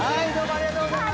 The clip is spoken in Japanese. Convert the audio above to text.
ありがとうございます。